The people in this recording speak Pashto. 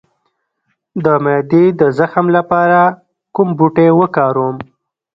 د معدې د زخم لپاره کوم بوټی وکاروم؟